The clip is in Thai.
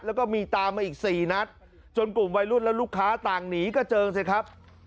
แล้วก็มีตามมาอีกสี่นัดจนกลุ่มวัยรุ่นและลูกค้าต่างหนีกระเจิงสิครับ